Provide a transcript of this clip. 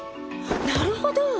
なるほど！